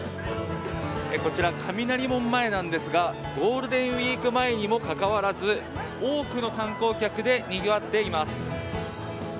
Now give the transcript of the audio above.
こちら、雷門前なんですがゴールデンウィーク前にもかかわらず多くの観光客でにぎわっています。